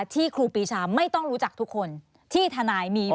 ที่ครูปีชาไม่ต้องรู้จักทุกคนที่ธนายมี